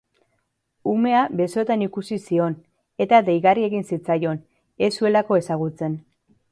Umea besotan ikusi zion eta deigarri egin zitzaion, ez zuelako ezagutzen.